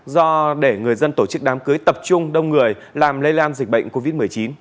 do để người dân tổ chức đám cưới tập trung đông người làm lây lan dịch bệnh covid một mươi chín